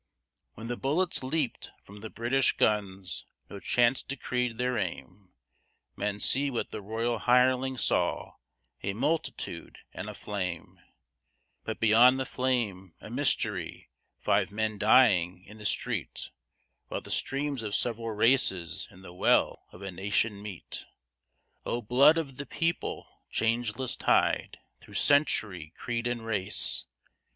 When the bullets leaped from the British guns, no chance decreed their aim; Men see what the royal hirelings saw a multitude and a flame; But beyond the flame, a mystery; five dying men in the street, While the streams of severed races in the well of a nation meet! O blood of the people! changeless tide, through century, creed, and race!